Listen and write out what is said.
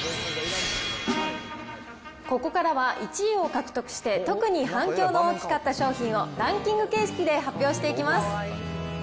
ここからは１位を獲得して、特に反響の大きかった商品をランキング形式で発表していきます。